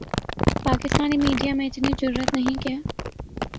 Pakistani media میں اتنی جرآت نہیں کہ